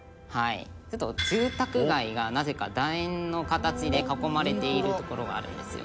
「ちょっと住宅街がなぜかだ円の形で囲まれている所があるんですよ」